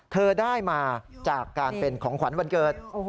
เธอได้มาจากการเป็นของขวัญวันเกิด